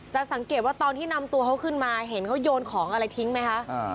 สังเกตว่าตอนที่นำตัวเขาขึ้นมาเห็นเขาโยนของอะไรทิ้งไหมคะ